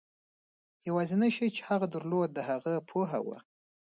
یوازېنی شی چې هغه درلود د هغه پوهه وه.